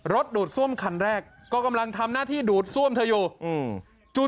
ดูดซ่วมคันแรกก็กำลังทำหน้าที่ดูดซ่วมเธออยู่อืมจู่